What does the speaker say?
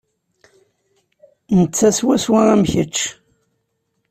Netta swaswa am kečč.